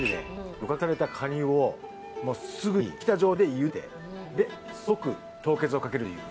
漁獲されたカニをすぐに生きた状態で茹でてで即凍結をかけるという。